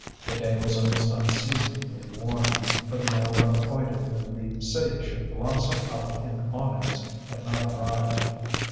The day was almost unseasonably warm, but the hour appointed when the city should blossom out in awnings had not arrived.